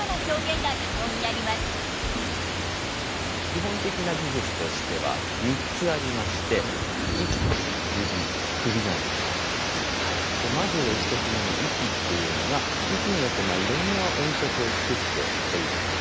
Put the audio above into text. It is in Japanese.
基本的な技術としては３つありましてまず１つ目の息っていうのが息によっていろんな音色を作っております。